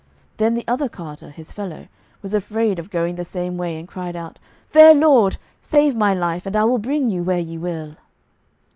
Then the other carter, his fellow, was afraid of going the same way, and cried out, "Fair lord, save my life and I will bring you where ye will."